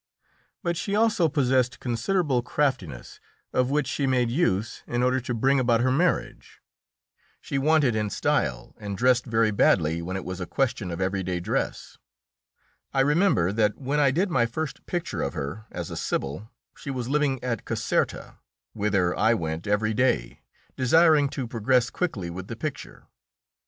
But she also possessed considerable craftiness, of which she made use in order to bring about her marriage. She wanted in style, and dressed very badly when it was a question of every day dress. I remember that when I did my first picture of her, as a sibyl, she was living at Caserta, whither I went every day, desiring to progress quickly with the picture.